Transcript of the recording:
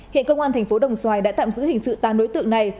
hiện công an thành phố đồng xoài đã tạm giữ hình sự tám đối tượng này